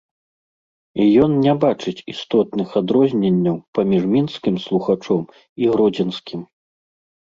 І ён не бачыць істотных адрозненняў паміж мінскім слухачом і гродзенскім.